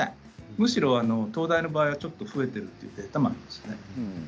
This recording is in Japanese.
むしろ東大の場合はちょっと増えているというのもあります。